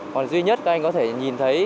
còn duy nhất các anh có thể nhìn thấy